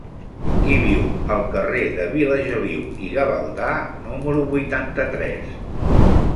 Qui viu al carrer de Vilageliu i Gavaldà número vuitanta-tres?